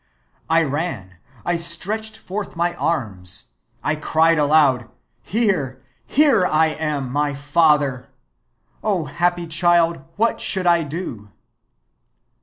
I ran, I stretched forth my arms, I cried aloud, 'Here, here I am, my Father.' Oh, happy child, what should I do?